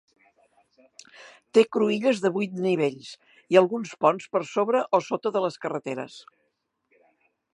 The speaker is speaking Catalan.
Té cruïlles de vuit nivells i alguns ponts per sobre o sota de les carreteres.